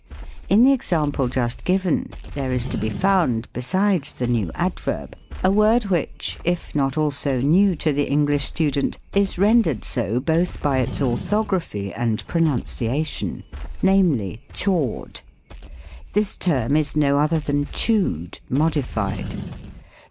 In the example just given there is to be found, be sides tlie new adverb, a word which, if not also new to SYNTAX. 93 the English student, is rendered so both by its orthog raphy and pronunciation ; namely, chawed. This term is no other than "chewed," modified.